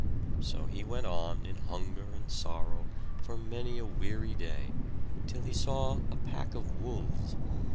So he went on in hunger and sorrow for many a weary day, till he saw a pack of wolves.